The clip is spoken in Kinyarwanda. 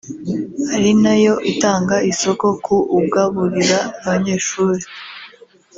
ari na yo itanga isoko ku ugaburira abanyeshuri